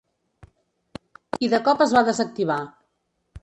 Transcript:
I de cop es va desactivar.